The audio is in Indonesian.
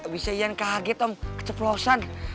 bisa yang kaget om keceplosan